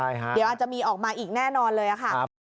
เดี๋ยวอาจจะมีออกมาอีกแน่นอนเลยค่ะ